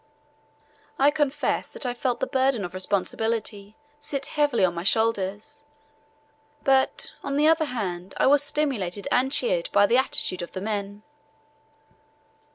I confess that I felt the burden of responsibility sit heavily on my shoulders; but, on the other hand, I was stimulated and cheered by the attitude of the men.